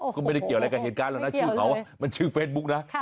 ก็ไม่ได้เกี่ยวอะไรกับเหตุการณ์หรอกนะชื่อเขามันชื่อเฟซบุ๊กนะ